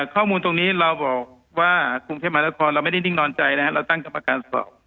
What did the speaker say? ข้อมูลตรงนี้เราบอกว่ากรุงเทพมหานครเราไม่ได้นิ่งนอนใจนะครับเราตั้งกรรมการสอบ